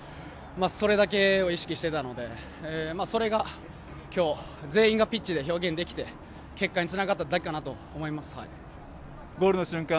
それだけを意識していたのでそれが今日、全員がピッチで表現できて、結果につながったゴールの瞬間